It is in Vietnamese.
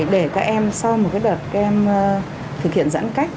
để các em sau một đợt các em thực hiện giãn cách